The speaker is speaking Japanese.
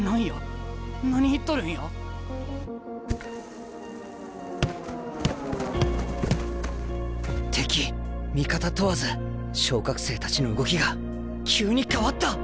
心の声敵味方問わず昇格生たちの動きが急に変わった！